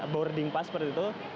boarding pas seperti itu